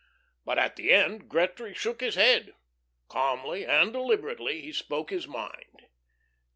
But at the end Gretry shook his head. Calmly and deliberately he spoke his mind.